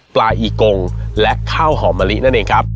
อีกงและข้าวหอมมะลินั่นเองครับ